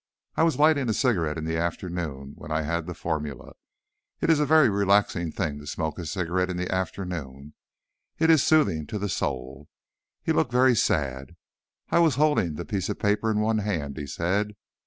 "I was lighting a cigarette in the afternoon, when I had the formula. It is a very relaxing thing to smoke a cigarette in the afternoon. It is soothing to the soul." He looked very sad. "I was holding the piece of paper in one hand," he said.